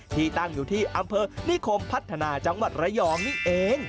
ที่ตั้งอยู่ที่อำเภอนิคมพัฒนาจังหวัดระยองนี่เอง